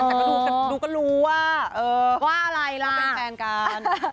แต่ก็ดูก็รู้ว่าว่าอะไรเราเป็นแฟนกัน